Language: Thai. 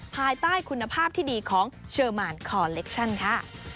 ภายใต้คุณภาพที่ดีของเชอร์มานคอเล็กชั่นค่ะ